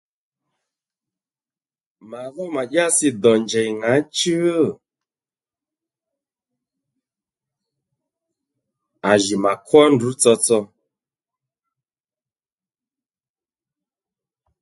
Ma dhó mà dyǎsi dò njèy ŋǎchú? À jì mà kwó ndrǔ tsotso